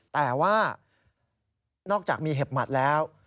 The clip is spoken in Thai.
แต่ว่านอกจากมีเห็บหมัดแล้ว